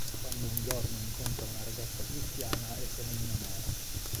Quando un giorno incontra una ragazza cristiana e se ne innamora.